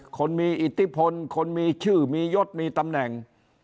คนมีอิทธิพลคนมีชื่อมียศมีตำแหน่ง